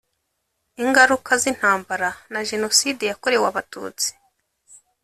ingaruka z’intambara na Jenoside yakorewe Abatutsi